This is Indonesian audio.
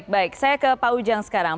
baik saya ke pak ujang sekarang